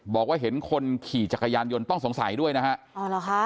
บอกว่าเห็นคนขี่จักรยานยนต์ต้องสงสัยด้วยนะฮะอ๋อเหรอคะ